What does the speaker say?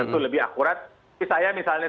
tentu lebih akurat saya misalnya